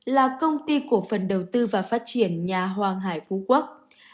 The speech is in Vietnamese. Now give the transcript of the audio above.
là công ty cổ phần đầu tư và phát triển nhà hoàng hải phú quốc